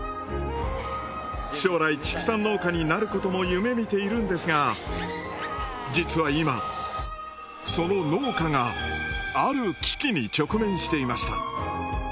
将来畜産農家になることも夢見ているんですが実は今その農家がある危機に直面していました。